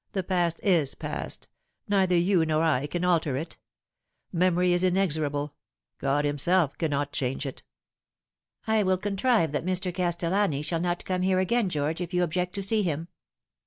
The past is past : neither you nor I can alter it. Memory is inexorable. God Himself cannot change it." " I will contrive that Mr. Castellani shall not come here again, George, if you object to see him."